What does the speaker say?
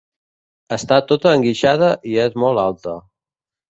Està tota enguixada i és molt alta.